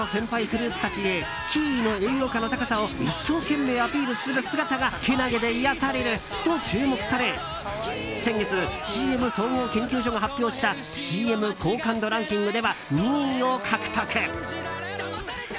フルーツたちにキウイの栄養価の高さを一生懸命アピールする姿がけなげで癒やされると注目され先月、ＣＭ総合研究所が発表したＣＭ好感度ランキングでは２位を獲得。